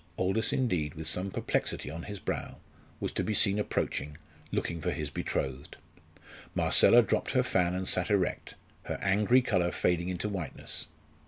Aldous, indeed, with some perplexity on his brow, was to be seen approaching, looking for his betrothed. Marcella dropped her fan and sat erect, her angry colour fading into whiteness.